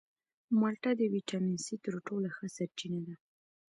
مالټه د ویټامین سي تر ټولو ښه سرچینه ده.